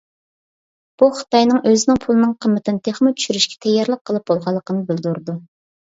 بۇ خىتاينىڭ ئۆزىنىڭ پۇلىنىڭ قىممىتىنى تېخىمۇ چۈشۈرۈشكە تەييارلىق قىلىپ بولغانلىقىنى بىلدۈرىدۇ.